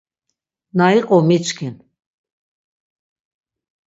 Na iqu miçkin.